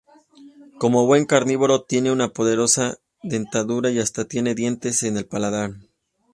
Como buen carnívoro tiene una poderosa dentadura y hasta tiene dientes en el paladar.